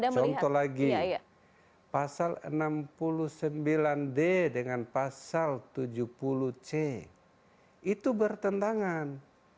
contoh lagi pasal enam puluh sembilan d dengan pasal tujuh puluh c itu bertentangan